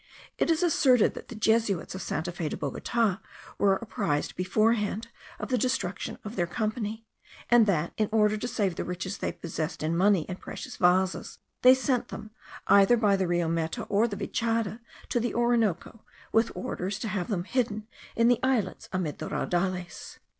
It is asserted that the Jesuits of Santa Fe de Bogota were apprised beforehand of the destruction of their company; and that, in order to save the riches they possessed in money and precious vases, they sent them, either by the Rio Meta or the Vichada, to the Orinoco, with orders to have them hidden in the islets amid the raudales.